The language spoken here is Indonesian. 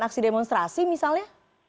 aksi demonstrasi misalnya